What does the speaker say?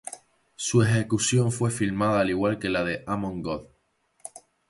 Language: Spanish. Su ejecución fue filmada al igual que la de Amon Göth.